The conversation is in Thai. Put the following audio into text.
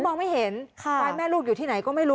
มองไม่เห็นควายแม่ลูกอยู่ที่ไหนก็ไม่รู้